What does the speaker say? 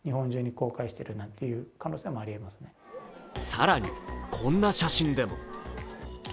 更に、こんな写真でも。